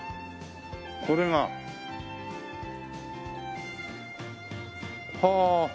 これが。はあ。